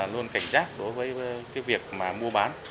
luôn cảnh giác đối với việc mua bán